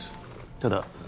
ただ